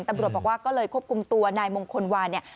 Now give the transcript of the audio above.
ตำรวจบอกว่าก็เลยควบคุมตัวนายมงคลวาเนี่ย